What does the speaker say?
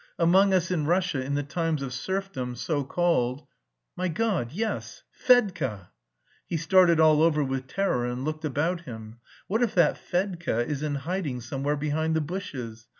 Among us in Russia in the times of serfdom, so called.... My God, yes Fedka!" He started all over with terror and looked about him. "What if that Fedka is in hiding somewhere behind the bushes?